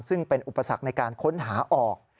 ซึ่งเป็นอุปสรรคในการค้นหาออก